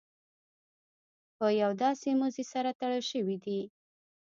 په یو داسې مزي سره تړل شوي دي.